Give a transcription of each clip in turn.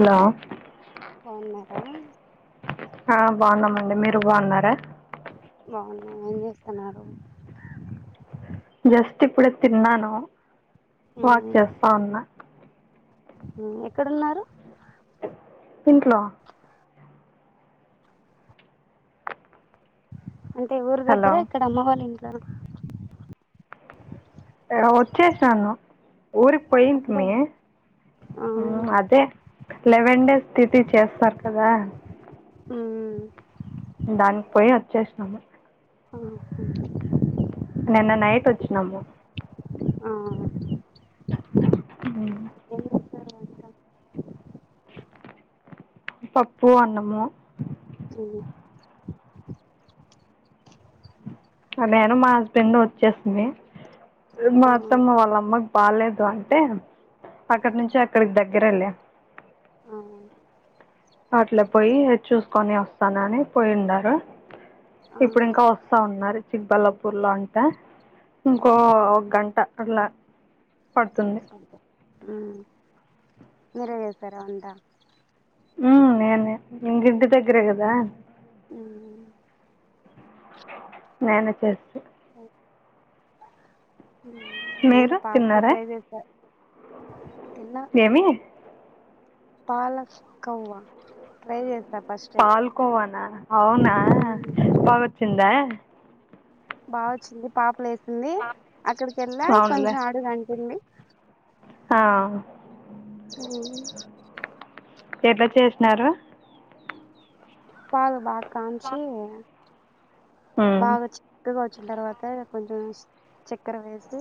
Hello బవున్నారా ఆ బాగున్నాంమండి మీరు బాగున్నారా బాగున్నామండీ ఏం చేస్తున్నారు జస్ట్ ఇప్పుడే తిన్నాను వాక్ చేస్తా ఉన్నా ఉమ్ ఎక్కడున్నారు ఇంట్లో అంటే ఊరి హలో దగ్గర ఇక్కడ అమ్మ వల్ల ఇంట్లో నా ఇక వచ్చేసాను ఊరికి అప్పుడే పోయింటమీ ఆ ఉ అదే లెవెన్ డేస్ తిథి చేస్తారు కదా ఉమ్ దానికి పొయి ఒచ్చేసినము ఆహా నిన్న నైటొచ్చినము ఆహ మ్ వెన్యూ సర్ వేల్ కమ్ పప్పు అన్నము [inaudible] అ నేను మా హస్బెండు వొచ్చేస్తుంది మా ఆ అత్తమ్మ వాళ్ళమ్మ పాల్లేదు అంటే అక్కడ నుంచి అక్కడ కి దగ్గిరేలే అవును అట్ల పొయ్యి చూస్కొని వస్తానని పొయ్యిండారు ఆ ఇప్పుడు ఇంకా వస్తా ఉన్నారు చిక్ బల్లాపూర్ లో అంటా ఇంకో మ్మ్ ఒక గంట అట్లా పడుతుంది ఊమ్ మీరే జేశారా వంట ఉమ్ నేనే ఇంగ ఇంటి దగ్గరే గదా ఊమ్ నేనే చేస్తి నేనూ మీరు పాలకూర తిన్నారా ఫ్రై చేసా తిన్నా ఏమీ పాలక్ కవ్వ ట్రై జే పాల్ కొవానా అవునా ఊమ్ చ్చిందా బా వొచ్చింది పాపలేసింది అక్కడికెళ్ళొ అవునులే కొంచెం అడుగంటింది హామ్ [unintelligible] ఎట్ల చేసినారు పాలు బాగా కాంచి బాగా చిక్కగా వచ్చిన తర్వాత కొంచెం చెక్కెర వేసి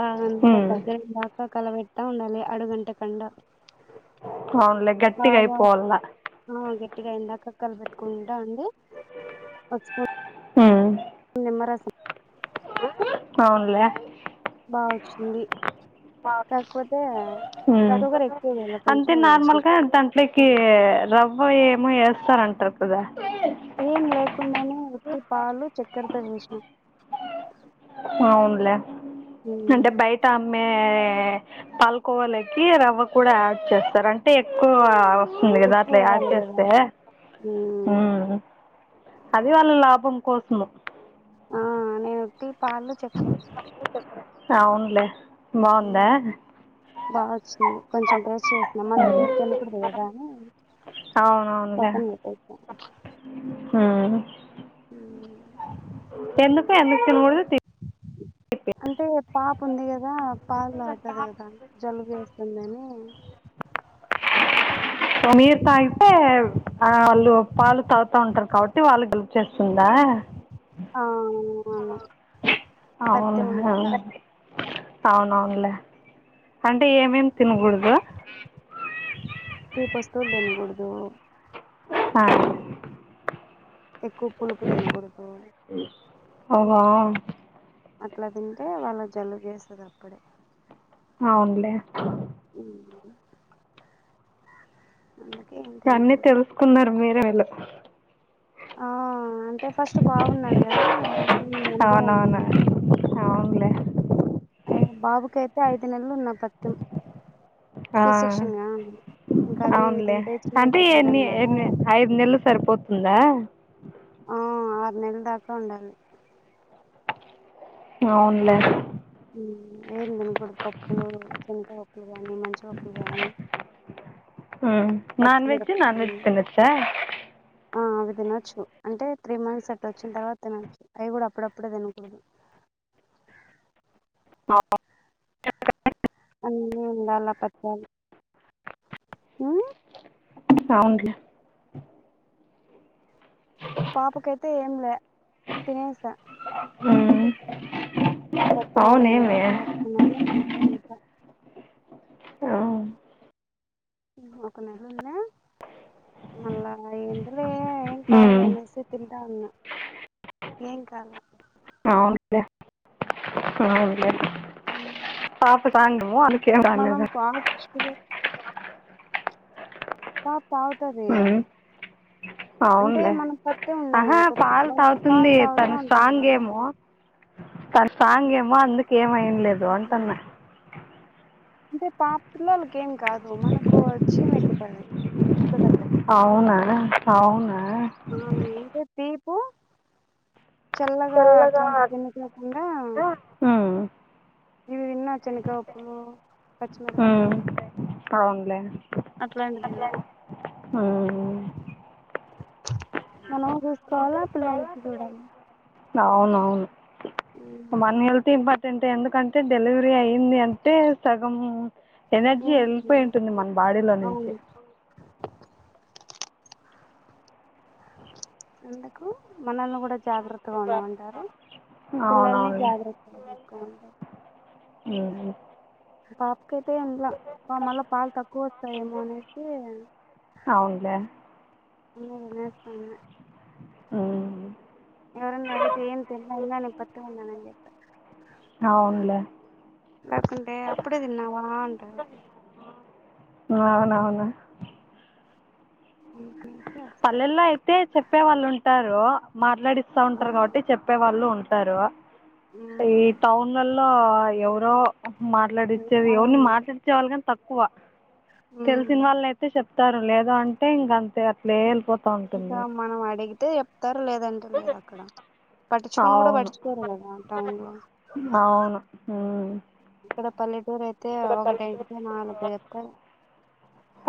బాగంతా దగ్గరయ్యేందాకా కలబెడ్తా ఉండాలి అడుగంటకండా అవును లే గట్టిగైపొవ్వల్ల ఆ గట్టిగా అయ్యిందాక కలుబెట్టుకుంటా ఉండి ఒక స్పూ ఊమ్ నిమ్మరసిం అవునులే బావొచ్చింది కాకపోతే షుగర్ ఎక్కువ వేయలా కొంచెమే వేసినా ట్లికి రవ్వ ఏమో ఎస్తారంట కదా ఏం లేకుండా నే ఉట్టి పాలు చెక్కర తో జేసినాం అవును లే ఉమ్, అంటే బయట అమ్మే పాలకోవాలేకి రవ్వ కూడా ఆడ్ చేస్తారు అంటే కోవా సింది గదా ఎక్కువ అట్ల యాడ్ అవ్వాలి కదా చేస్తే ఉమ్ అది వాళ్ళ లాభం కోసుము ఆ నే ఒట్టి పాలు చెక్కెరే అవును లే బావుందా బావొచ్చింది కొంచం టేస్ట్ చే ఇంగ మల్ల ఉమ్. తీపి కనపడదు గదా అని పక్కన బెట్టేసినా హూ ఊ ఎందుకు తినకూడదు తీపి అంటే పాప ఉంది గదా పాలు తాగతాది కదా అని జలుబు చేస్తుందని సో మీర్ తాయితే ఆ అళ్ళు పాలు తాగుతా ఉంటరు కాబట్టి వాళ్ళకి హెల్ప్ చేస్తుందా ఆ అవును మల్ల అవునా అవునవున్లే అంటే ఏమేం తినగూడదు తీప్ వస్తూల్ దినగూడదు ఆ ఎక్కువ పులుపు దినగూడదు అవునా అట్లా తింటే వాళ్ళ జలుబ్ జేస్తది అప్పుడే అవున్లే ఊ అన్నీ తెలుసుకున్నారు మీరే వెళ్ళు ఆ అంటే ఫస్ట్ బావున్నాడు గదా అన్నీ అనుభవం అవునవును నాకు అవునులే అయ్ బాబుకైతే ఐదు నెల్లు ఉన్నప్పట్కెల్ ఆ ఇంకా అవి అవున్లే తింటే చీము అంటే ఎక్కుతది ఎన్ని అన్నారా ఎన్ని ఐదు నెల్లు సరిపోత్ ఉందా ఆ ఆరు నెల్ దాకా ఉండాలి అవున్లే ఊ ఏం దినకోడ పప్పులూ చెన్గవప్పులు గాని మంచి వప్పులు గానీ ఉ నాన్ వెజ్ నాన్ వె పచ్చిమిరపకాయలు తినొచ్చాయ్ ఆ అవి తినొచ్చు అంటే త్రీ మంత్స్ అట్ట ఒచ్చిన్ తర్వా తినొచ్చు అయ్ గూడ అప్పుడప్పుడే దినకూడదు అ అన్నీ ఉండాల్ల పచ్చాలు ఊ అవున్లే పాపకైతే ఏం లే తినేసా హూ పత్యం ఏం సౌండ్ ఏమీ [unintelligible] ఆ ఒక నెల ఉందా మళ్ళా ఇందులో ఏం ఉమ్. కావులే అనేసి తింటా ఉన్నా ఏం కాల అవున్లే అవున్లే ఉమ్. పాప సాంగు ఆల్లుక్ ఏం రాలేదె ఆ పుష్క్ దే పా తావుతదియా ఉమ్. అంటే అవునులే మనం పట్టే ఆహా ఉన్నాయనుకో పాలు [unintelligible] పాలు తాగుతుంది తాగుతా ఉంటది గదా తను స్ట్రాంగ్ ఏమౌ అందుకు ఏమైన్లేదూ ఉమ్. అంటాన్న అంటే పాపిల్లోళకి ఏం కాదు మనకో చీం ఎక్కుతాది అవునా అవునా ఆ అంటే తీపు చల్లగా అట్లాంటి పిన్ను కాకుండా ఆ ఇవి విన్న చెనకాపులు హూ అవున్లే అట్లాంటి దిన్నా ఉమ్, కాలే పిల్లోళ్లకి కూడానా? అవునవును వన్నేల్ ఇంపార్టెంటెంటే ఎందుకంటే డెలివరీ అయ్యింది అంటే సగం ఎనర్జీ ఎళ్ళపోయి ఉంటుంది మన బాడీలో నుంచి. అవును ఎందుకు మనల్ని గుడ జాగ్రత్తగా ఉండమంటారు, పిల్లల్ని అవునవునులే జాగ్రత్తగా చూసుకోమంటారు ఉమ్ పాపకయితే ఇంట్ల, పా మళ్ళ పాలు తక్కువ వస్తాయేమో అనేసి అవునులే అన్నయ్య నేస్తానే ఉమ్ ఎవరన్నా అడిగితే ఏం తినలే నేను పత్యం ఉన్నాను అని చెప్య. అవున్లే లేకుంటే అప్పుడే తిన్నావా అంటారు? ఆ నవును అంతేగా పల్లెల్లో అయితే చెప్పే వాళ్ళు ఉంటారు, మాట్లాడిస్తా ఉంటారు గాబట్టి చెప్ చెప్పే వాళ్ళు ఉంటారు, ఈ టౌన్లల్లో ఎవరో మాట్లాడిచ్చేది ఓన్లీ అవును మాట్లాడిచ్చే వాళ్లు గాని తక్కువ. తెలిసిన ఉమ్. వాళ్ళయితే చెప్తారు లేదు అంటే ఇంగ అంతే, అట్లే వెళ్ళిపో ఇంకా మనం అడిగితే చెప్తారు లేదంటే లేదు అక్కడ. పట్టించుకొని గుడ అవును పట్చుకోరు కదా టౌన్ లో అవును ఉమ్. ఇక్కడ పల్లెటూరు అయితే ఒకటడిగితే నాలుగు చెప్తారు.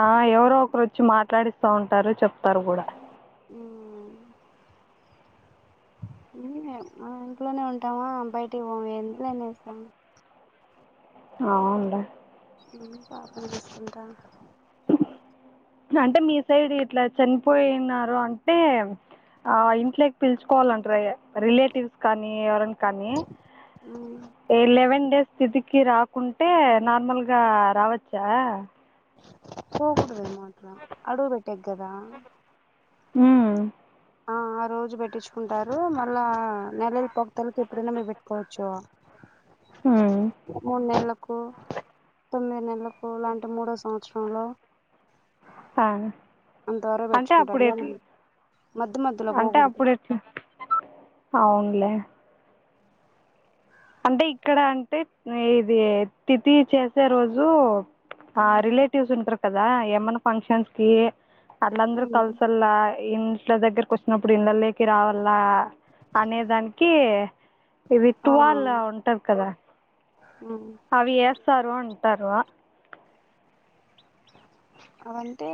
ఆ ఎవరో ఒకరు వచ్చి మాట్లాడిస్తా ఉంటారు, చెప్తారు గుడ ఉమ్ ఆ ఇంట్లోనే ఉంటామా, బయటికీ పోము ఇంట్లనే వేస్తాము. ఆవున్లే ఉమ్ పాపను చూసుకుంటా అంటే మీ సైడ్ ఇట్ల చనిపోయినారు అంటే ఆ ఇంట్లోకి పిలుచుకోవాలంటరు ఇయ రిలేటివ్స్ కానీ, ఎవరన్న కానీ. ఏ లెవెన్ డేస్ స్థితికి రాకుంటే నార్మల్గా రావచ్చా? పోకూడదేమో అట్లా అడుగు పెట్టెకి కదా. ఉమ్ ఆ ఆ రోజు పెట్టించుకుంటారు, మళ్ళా నెలల పక్తలకు ఎప్పుడన్నా మీరు పెట్టుకోవచ్చు. ఉమ్ మూన్నేళ్లక్ కు తొమ్మిది నెలలకు, లే అంటే మూడో సంవత్సరంలో ఆ అంతవరకు అంటే అప్పుడు పెచ్చుకుంటారు, మన్ ఎట్లా మధ్య మధ్యలో పోకూడదు. అవున్లే అంటే ఇక్కడ అంటే ఇది తిథి చేసే రోజు ఆ రిలేట్ టీవ్స్ ఉంటరు కదా, ఏమన్నా ఫంక్షన్స్ కి అట్లందరు కలిసెల్లా ఇంట్ల దగ్గరకు వచ్చినప్పుడు ఇంద లేకి రావల్లా అనేదానికి ఆ విట్వా లా ఉంటరు కదా, అవి ఏస్తారు అంటారు అవంటే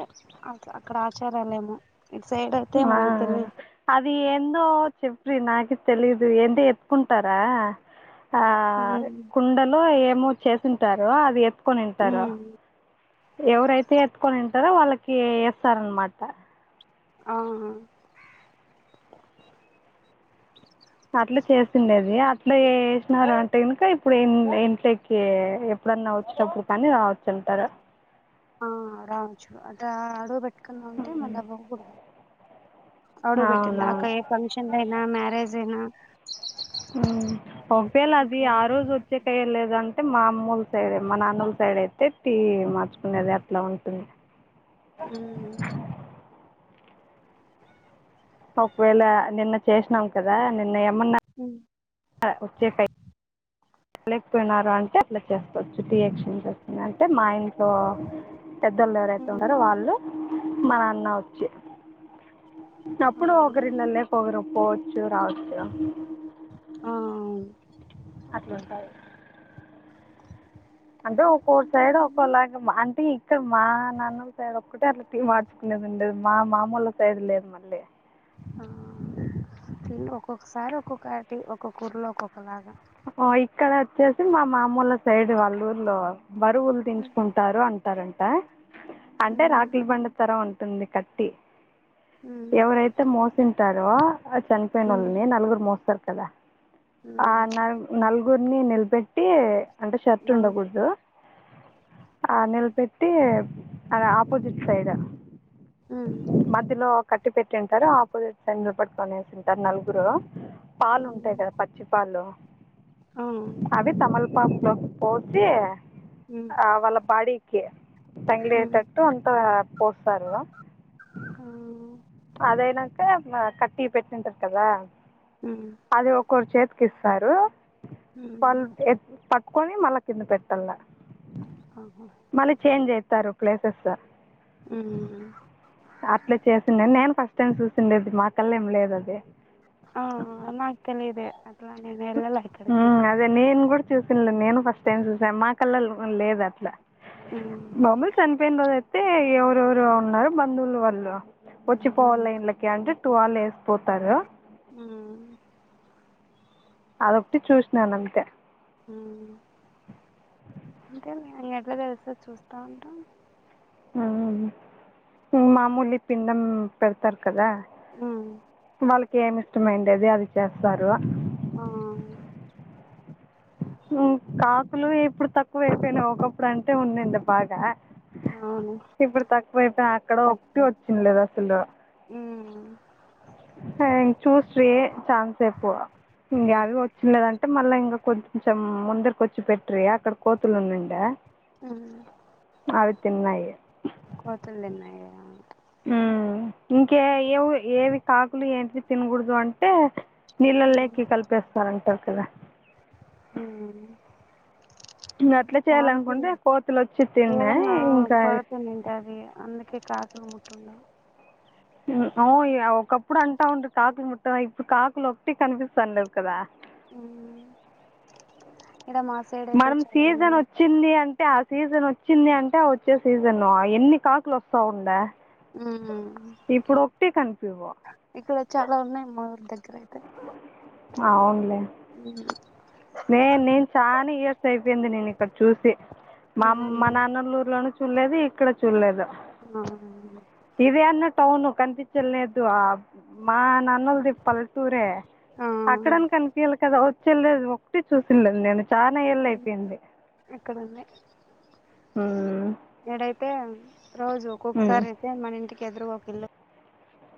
అ అక్కడ ఆచారాలేమో ఇటు సైడ్ అయితే ఆ మనకు తెలియదు అది ఏందో చెప్పి నాకు తెలీదు ఏంటో ఎత్తుకుంటారా ఆ ఉమ్ కుండలు ఏమో చేసింటారూ అది ఎత్తుకొనింటారు ఉమ్ ఎవరైతే ఎత్తుకొని ఇంటారో వాళ్ళకి వేస్తారు అన్నమాట ఆహా పర్లు చేసిండేది అట్లా చేసినారు అంటే కనుక ఇప్పుడు ఇంట్లోకి ఎప్ ఎప్పుడన్నా వచ్చేటప్పుడు కానీ రావచ్చు అంటార ఆ రాచూ అట అడవు బట్టి ఎక్క ఉంటే మల్లా ఉమ్. పోకూడదు అడ పెట్టింది ఆకా అవునవును ఎక్ ఫంక్షన్లైన మ్యారేజ్ ఐనా ఉ పంపియాల అది ఇంకా ఆ రోజు వచ్చే కైయలెదన్ అంటే మా అమ్మోల సైడ్ మా నాన్నోల సైడ్ అయితే టీ మార్చుకునేది అట్లా ఉంటుంది ఉ ఒకవేళ నిన్న చేసినాం కదా నిన్న ఏమన్నా హ ఉచ్చే ఫై చేయలేకపోయినారంటే అట్లా చేసుకోవచ్చు టీ ఎక్సంజ్ వస్తుంది అంటే మా ఇంట్ సో పెద్దోళ్ళు ఎవరైతే ఉన్నారో ఉమ్ వాళ్ళు మా అన్న వచ్చి ఆ అప్పుడు ఒకరిల్లల్లే ఒకరు పోవచ్చు రావచ్చు ఆవును అట్లుంటయి అంటే ఒక్కోసైడ్ ఒక్కోలాగ అంటే ఇక్కడ మా నాన్న సైడ్ ఒక్కటే అట్లా టీ మర్చ్ ఉండేది ఉండేది మా మామూలు సైడ్ లేదు మళ్ళీ ఆ ఒక్కొక్కసారి ఒక్కొక్కటి ఒక్కొక్కరలో ఒక్కొక్కలాగా ఆ ఇక్కడ వచ్చేసి మా మామోల సైడ్ వాళ్ళ ఊర్లో బరువులు ఉమ్ దించుకుంట టారు అంటారంట అంటే రాఖీలి బండ తరం ఉంటుంది కట్టి ఉమ్ ఎవరైతే మోసింటారో ఆ చనిపోయిన ఉమ్ వాళ్ళని నలుగురు మోస్తారు కదా ఆ ఉమ్ న నలుగురిని నిలబెట్టి అంటే షర్ట్ ఆ ఉండకూడదు. ఆ నిలపెట్టి అది ఆపోజిట్ సైడ్ ఉ మధ్యలో కట్టి పెట్టింటారు ఆపోజిట్ సైడ్ నిలబెట్టుకొనేసింటారు నలుగురు పాలు ఉమ్ ఉంటాయి కదా పచ్చి పాలు ఆ ఉమ్ అది తమలపాకు లోకి పోసి ఉమ్ ఆవళ బాడికి తంగ్లేటట్టు ట్టు అంత పోస్తారు. ఆ అదైనాక కట్టి పెట్టింటారు కదా ఉ అది ఒకరు చేతికి ఇస్తారు ఉమ్ వాళ్ళు ఎత్ పట్టుకొని మళ్ళ కింద పెట్టాల ఆహా మళ్ళీ చేంజ్ అయితారు ప్లేసెస్. ఉమ్ అట్ల చేసిండని నేను ఫస్ట్ టైం చూసిండేది, మా కన్నా ఏం లేదు అది ఆ నాకు తెలిదే అట్లా నేను ఎల్లలే ఎక్కడకి దే నేను కూడా చూసింద్లె నేను ఫస్ట్ టైం చూసాను మా కల్లా లేదు అట్లా ఉమ్ మాములు చనిపోయిన రోజయితే ఎవరెవరో ఉన్నారు బంధువులు వాళ్ళు ఉమ్ వచ్చిపోవాల ఇళ్లకి అంటే టూవాళ్ళ వేసిపోతారు ఉమ్ అదొకటి చూసినాను అంతే. ఉమ్ అంటే మీ ఎట్ల దగ్గర తె చూస్తా ఉంటం. ఉమ్ మామూలు పిండం పెడతారు కదా. ఉమ్ వాళ్ళకి ఏమి ఇష్టమయిండేది ఆది చేస్తారు. ఆ కాకులు ఇప్పుడు తక్కువ అయిపోయినాయి ఒకప్పుడు అంటే ఉన్నిండే బాగా అవును ఇప్పుడు తక్కువైపోయి అక్కడ ఒకటి తక్కువ వచ్చిండల్లేదు అసలు ఉమ్ ఆ చూస్ట్రే చాన్సేపూ ఇంగా ఉమ్ అవి పో చిల్లదంటే మళ్ళా ఇంగా కొంచెం ముందరికి వచ్చి పెట్ట్రి అక్కడ కోతులు ఉండుండ ఉమ్ కోతులన్నాయా మ్మ్ ఇంకే ఏవు ఏవి కాకులు ఏంటివి తినకూడదు అంటే ఉమ్ నిళ్లల్లేకి కలిపేస్తారు ఉంటారు కద. ఉమ్ అ దానికి తిన్నాయి ఏదన్నా ఇంకా కొరత వున్నింటాది అందుక్ కే కాదు టూ ఉమ్ ఓ ఇయ ఒకప్పుడు అంటా ఉండ కాకులు ముట్టన ఇప్పుడు, కాకులు ఒట్టి కనిపిస్తానే లేవు కదా. ఉమ్ ఈడ మా సైడయితే మనం సీజన్ చాలఉన్నాయి వచ్చింది అంటే ఆ సీజన్ వచ్చింది అంటే వచ్చే సీజను ఎన్ని కాకులు వస్తావుండ ఉమ్ ఇప్పుడు ఒకటే కనిపివ్ ఇక్కడ చాలా ఉన్నయి మా ఊర్ దగ్గర అవునులే ఉ నే నేను చాన ఇయర్స్ అయిపోయింది నేను ఇక్కడ చూసి, మా అమ్ ఉమ్ మా నాన్నోల్ల ఊరిలోను చూల్లేది ఇక్కడ చూడలేదు. ఆ ఇదే అన్న టౌను కనిపించల్నేద్దు, ఆ మా నాన్నోల్ది పల్టూరే. ఆ ఆ అక్కడన్న కనిపియాలి కదా వచ్చేళ్ళ ఒకటి చూసిండలేదు నేను చాలా ఏళ్ళ ఉమ్, అయిపోయింది, ఇక్కడ ఉంది ఉమ్ ఎడైతే రోజు ఒక్కొక్కసారి అయితే మన ఇంటికి ఎదురుగక ఒక ఇళ్ళు